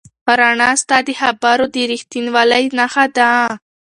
رڼا ستا د خبرو د رښتینولۍ نښه ده.